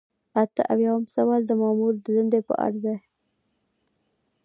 اته اویایم سوال د مامور د دندې په اړه دی.